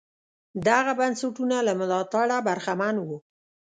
دغه بنسټونه له ملاتړه برخمن وو.